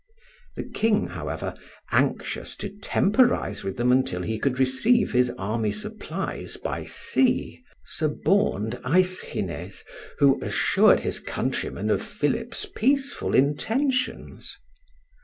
The king, however, anxious to temporize with them until he could receive his army supplies by sea, suborned Aeschines, who assured his countrymen of Philip's peaceful intentions.